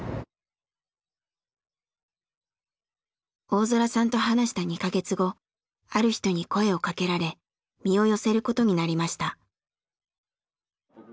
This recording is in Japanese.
大空さんと話した２か月後ある人に声をかけられ身を寄せることになりました。